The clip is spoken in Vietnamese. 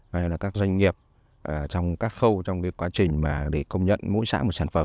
hay là các doanh nghiệp trong các khâu trong quá trình để công nhận mỗi xã một sản phẩm